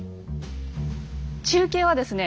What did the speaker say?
中継はですね